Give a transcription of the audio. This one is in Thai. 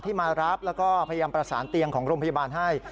มารับแล้วก็พยายามประสานเตียงของโรงพยาบาลให้